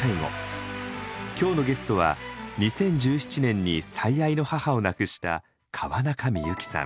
今日のゲストは２０１７年に最愛の母を亡くした川中美幸さん。